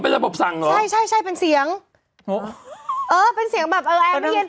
เป็นระบบสั่งเหรอใช่ใช่ใช่เป็นเสียงเออเป็นเสียงแบบอะไรแอร์ไม่เย็น